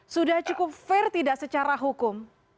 sudah cukup fair tidak secara hukum